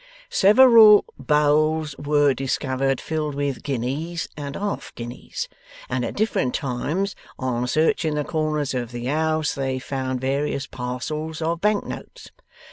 '"Several bowls were discovered filled with guineas and half guineas; and at different times on searching the corners of the house they found various parcels of bank notes.